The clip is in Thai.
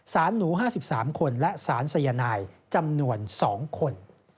หนู๕๓คนและสารสายนายจำนวน๒คน